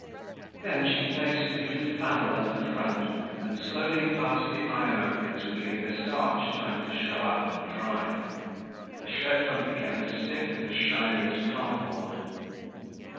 Then she placed a piece of flannel under the front and slowly passed the iron over it giving the starch time to show up and dry. The shirt front became as stiff and as shiny as cardboard.